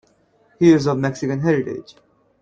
He is of Mexican heritage.